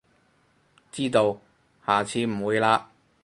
知道，下次唔會喇